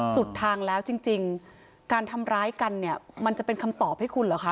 สุดทางแล้วจริงการทำร้ายกันเนี่ยมันจะเป็นคำตอบให้คุณเหรอคะ